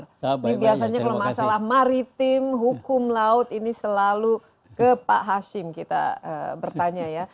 ini biasanya kalau masalah maritim hukum laut ini selalu ke pak hashim kita bertanya ya